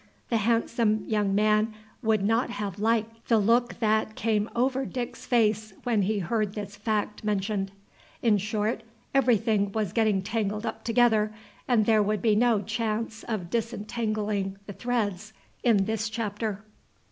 The handsome young man would not have liked the look that, came over Dick's face when he heard this fact mentioned. In short, everything was getting tangled up together, and there would be no chance of disentangling the threads in this chapter.